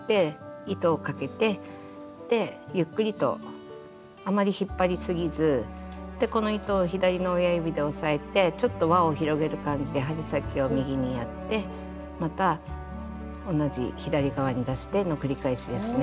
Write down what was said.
でゆっくりとあまり引っ張りすぎずこの糸を左の親指で押さえてちょっと輪を広げる感じで針先を右にやってまた同じ左側に出しての繰り返しですね。